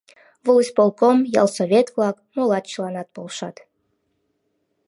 Волисполком, ялсовет-влак, молат — чыланат полшат.